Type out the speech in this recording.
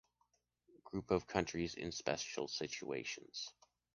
Group of countries in special situations.